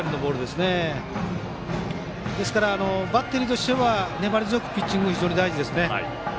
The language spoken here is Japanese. バッテリーとしては粘り強いピッチングが非常に大事ですね。